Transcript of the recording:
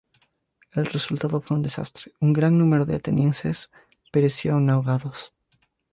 El resultado fue un desastre: un gran número de atenienses perecieron ahogados.